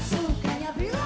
sukanya bila suka